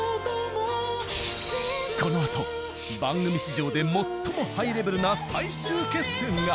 このあと番組史上で最もハイレベルな最終決戦が！